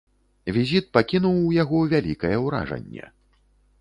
Візіт пакінуў у яго вялікае ўражанне.